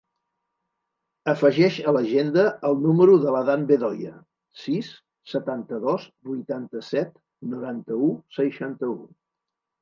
Afegeix a l'agenda el número de l'Adán Bedoya: sis, setanta-dos, vuitanta-set, noranta-u, seixanta-u.